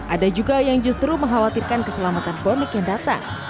ada juga yang justru mengkhawatirkan keselamatan bomik yang datang